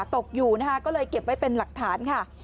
ตกอยู่นะคะก็เลยเก็บไว้เป็นหลักฐานค่ะ